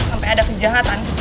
sampai ada kejahatan